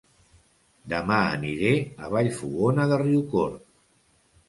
Dema aniré a Vallfogona de Riucorb